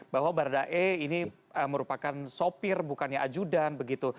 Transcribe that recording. bahwa barada e ini merupakan sopir bukannya ajudan begitu